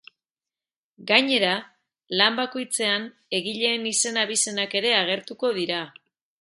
Gainera, lan bakoitzean egileen izen-abizenak ere agertuko dira.